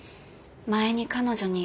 前に彼女に。